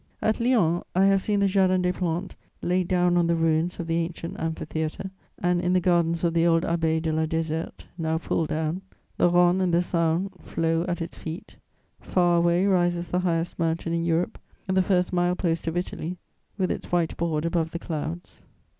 ] At Lyons, I have seen the Jardin des Plantes laid down on the ruins of the ancient amphitheatre and in the gardens of the old Abbaye de la Déserte, now pulled down; the Rhone and the Saône flow at its feet; far away rises the highest mountain in Europe, the first mile post of Italy, with its white board above the clouds.